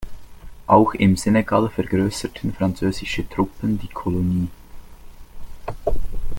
Auch im Senegal vergrößerten französische Truppen die Kolonie.